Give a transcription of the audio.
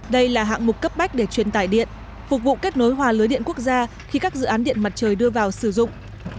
đây là hạng mục cấp bách để truyền tải điện phục vụ kết nối hòa lưới điện quốc gia khi các dự án điện mặt trời đưa vào sử dụng